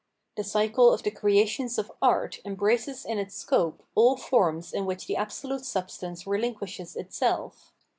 The cycle of the creations of art embraces in its scope all forms in which the absolute sub stance relinquishes itself.